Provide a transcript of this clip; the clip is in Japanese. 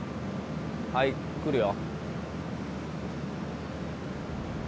はいくるよ。